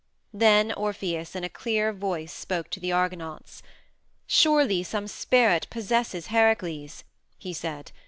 Then Orpheus in a clear voice spoke to the Argonauts. "Surely some spirit possesses Heracles," he said.